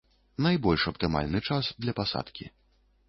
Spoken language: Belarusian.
Найбольш аптымальны час для пасадкі.